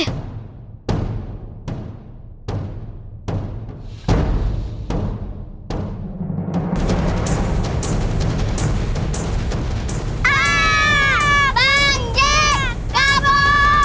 ah bang jek kabur